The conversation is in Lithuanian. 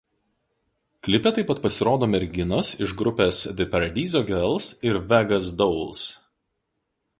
Klipe taip pat pasirodo merginos iš grupės „The Paradiso Girls“ ir „Vegas Dolls“.